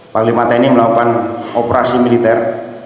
panglima tni melakukan operasi militer